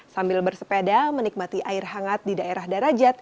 sambil bersepeda menikmati air hangat di daerah darajat